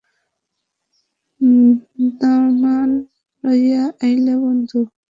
দামান লইয়া আইলে বন্ধু।